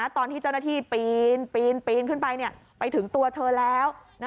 ตอนที่เจ้าหน้าที่ปีนขึ้นไปไปถึงตัวเธอแล้ว